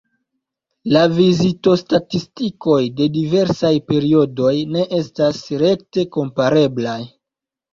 La vizitostatistikoj de diversaj periodoj ne estas rekte kompareblaj.